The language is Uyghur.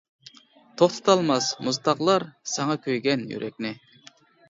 توختىتالماس مۇز تاغلار، ساڭا كۆيگەن يۈرەكنى.